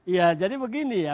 ya jadi begini ya